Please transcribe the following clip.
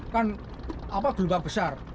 kan apa gelombang besar